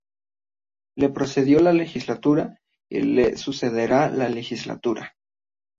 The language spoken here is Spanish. Le precedió la legislatura y le sucederá la legislatura.